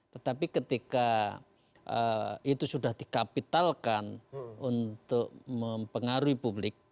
tetapi ketika itu sudah dikapitalkan untuk mempengaruhi publik